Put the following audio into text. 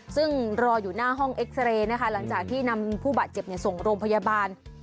ซึ่งรออยู่หน้าห้องเอ็กซาเรย์นะคะหลังจากที่นำผู้บาดเจ็บส่งโรงพยาบาล